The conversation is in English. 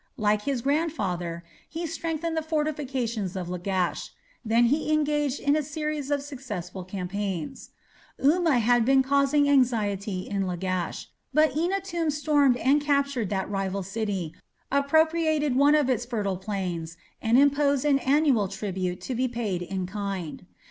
Like his grandfather, he strengthened the fortifications of Lagash; then he engaged in a series of successful campaigns. Umma had been causing anxiety in Lagash, but Eannatum stormed and captured that rival city, appropriated one of its fertile plains, and imposed an annual tribute to be paid in kind.